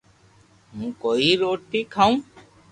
ھون ڪوئي روٽي کاو